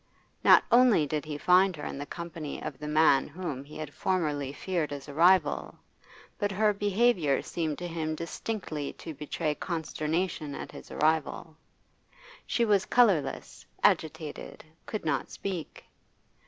Not only did he find her in the company of the man whom he had formerly feared as a rival, but her behaviour seemed to him distinctly to betray consternation at his arrival. She was colourless, agitated, could not speak.